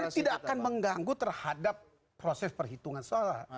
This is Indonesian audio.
sebenarnya tidak akan mengganggu terhadap proses perhitungan seolah olah